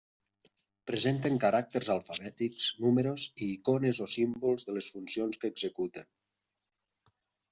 Presenten caràcters alfabètics, números i icones o símbols de les funcions que executen.